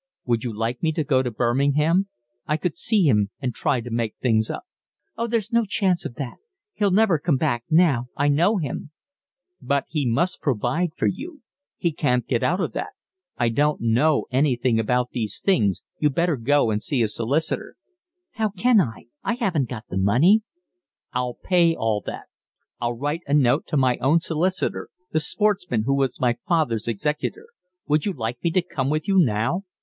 "Would you like me to go to Birmingham? I could see him and try to make things up." "Oh, there's no chance of that. He'll never come back now, I know him." "But he must provide for you. He can't get out of that. I don't know anything about these things, you'd better go and see a solicitor." "How can I? I haven't got the money." "I'll pay all that. I'll write a note to my own solicitor, the sportsman who was my father's executor. Would you like me to come with you now?